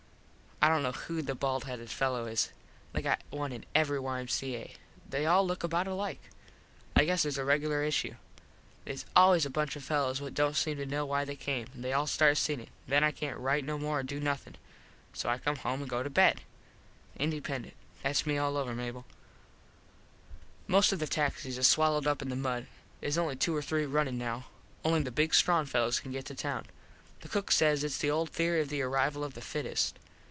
I dont know who the bald headed fello is. They got one in every Y.M.C.A. They all look about alike. I guess there a regular issue. Theys always a bunch of fellos what dont seem to kno why they came. They all start singin. Then I cant rite no more or do nothin. So I come home an go to bed. Independent. Thats me all over, Mable. Most of the taxis is swalowed up in the mud. Theys only two or three runnin now. Only the big strong fellos can get to town. The cook says its the old theory of the arrival of the fittest.